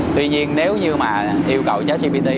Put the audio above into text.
tuy nhiên nếu như mà yêu cầu cho gpt